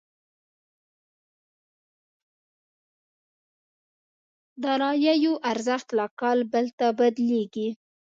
داراییو ارزښت له کال بل ته بدلېږي.